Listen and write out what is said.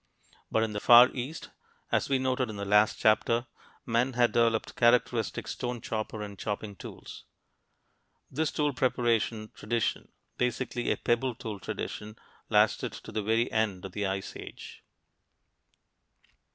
But in the Far East, as we noted in the last chapter, men had developed characteristic stone chopper and chopping tools. This tool preparation tradition basically a pebble tool tradition lasted to the very end of the Ice Age.